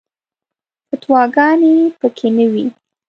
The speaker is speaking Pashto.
فتواګانې په کې نه وي.